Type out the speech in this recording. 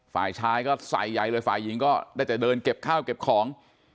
ฝ่ายชายก็ใส่ใหญ่เลยฝ่ายหญิงก็ได้แต่เดินเก็บข้าวเก็บของ